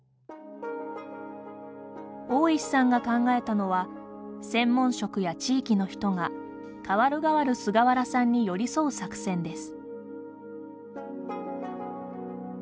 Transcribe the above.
大石さんが考えたのは専門職や地域の人がかわるがわる菅原さんに寄り添う作戦です。